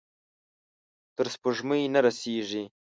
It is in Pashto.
تر سپوږمۍ نه رسیږې